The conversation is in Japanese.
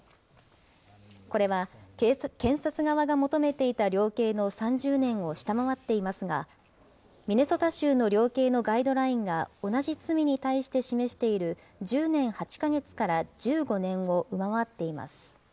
これは検察側が求めていた量刑の３０年を下回っていますが、ミネソタ州の量刑のガイドラインが同じ罪に対して示している１０年８か月から１５年を上回っています。